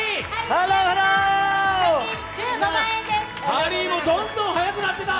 ハリーもどんどん速くなってた。